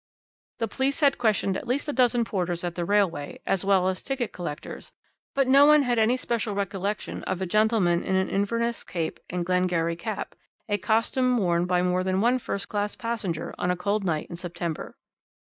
The police had questioned at least a dozen porters at the railway, as well as ticket collectors; but no one had any special recollection of a gentleman in an Inverness cape and Glengarry cap, a costume worn by more than one first class passenger on a cold night in September.